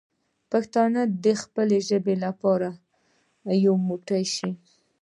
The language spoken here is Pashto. پښتانه دې د خپلې ژبې لپاره یو موټی شي.